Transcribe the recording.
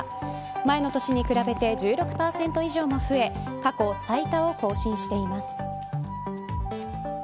前の年に比べて１６％以上も増え過去最多を更新しています。